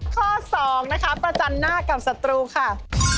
ข้อ๒นะคะประจันหน้ากับศัตรูค่ะ